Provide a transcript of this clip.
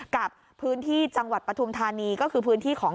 กับพื้นที่จังหวัดปฐุมธานีก็คือพื้นที่ของ